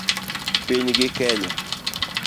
Pinygi Kenya